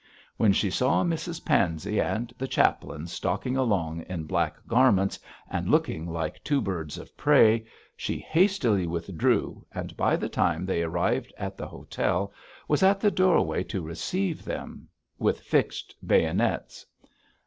When she saw Mrs Pansey and the chaplain stalking along in black garments, and looking like two birds of prey, she hastily withdrew, and by the time they arrived at the hotel was at the doorway to receive them, with fixed bayonets.